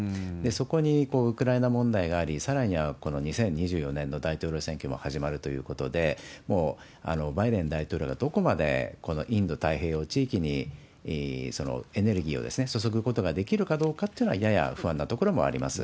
そこにウクライナ問題があり、さらには２０２４年も大統領選挙も始まるということで、もうバイデン大統領がどこまで、このインド太平洋地域にエネルギーを注ぐことができるかどうかっていうのは、やや不安なところもあります。